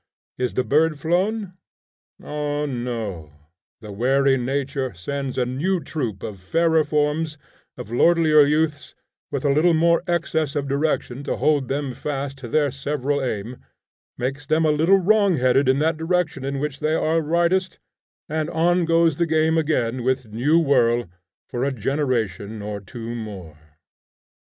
Is the bird flown? O no, the wary Nature sends a new troop of fairer forms, of lordlier youths, with a little more excess of direction to hold them fast to their several aim; makes them a little wrongheaded in that direction in which they are rightest, and on goes the game again with new whirl, for a generation or two more.